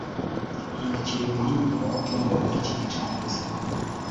nakiriye umuhamagaro wa tom kuri iki gicamunsi